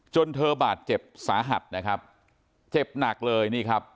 จนเธอบาดเจ็บสาหัสนะครับเจ็บหนักเลยนี่ครับ